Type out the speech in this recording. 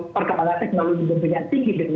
perkembangan teknologi yang tinggi